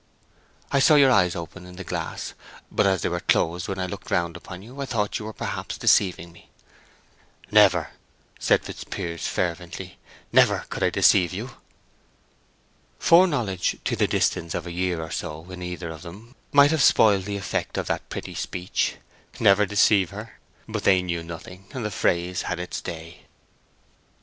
"I saw your eyes open in the glass, but as they were closed when I looked round upon you, I thought you were perhaps deceiving me. "Never," said Fitzpiers, fervently—"never could I deceive you." Foreknowledge to the distance of a year or so in either of them might have spoiled the effect of that pretty speech. Never deceive her! But they knew nothing, and the phrase had its day.